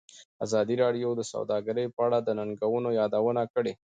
ازادي راډیو د سوداګري په اړه د ننګونو یادونه کړې.